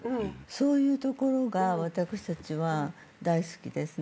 そういうところが私たちは大好きですね。